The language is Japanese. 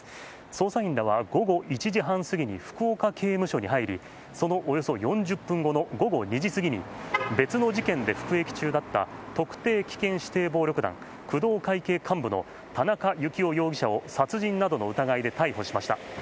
捜査員らは午後１時半すぎに福岡刑務所に入り、そのおよそ４０分後の午後２時すぎに別の事件で服役中だった特定危険指定暴力団・工藤会系幹部の田中幸雄容疑者を殺人などの疑いで逮捕しました。